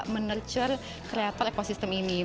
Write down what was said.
mencoba untuk bisa menertur kreator ekosistem ini